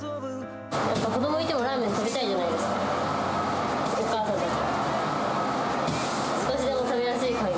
子どもがいてもラーメン食べたいじゃないですか、お母さんたちも。